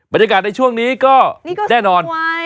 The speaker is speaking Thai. บรรยากาศในช่วงนี้ก็แน่นอน